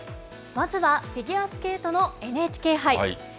まずはフィギュアスケートのＮＨＫ杯。